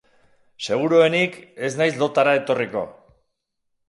Seguruenik, ez naiz lotara etorriko.